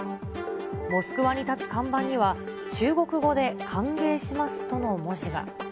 モスクワに立つ看板には、中国語で歓迎しますとの文字が。